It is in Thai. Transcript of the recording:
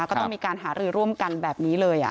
ก็ต้องมีการหารือร่วมกันแบบนี้เลย